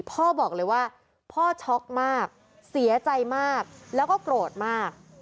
พ่อบอกเลยว่าพ่อช็อกมากเสียใจมากแล้วก็โกรธมาก